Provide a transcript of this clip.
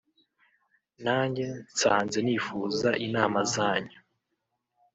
nanjye nsanze nifuza inama zanyu